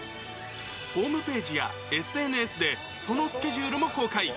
ホームページやＳＮＳで、そのスケジュールも公開。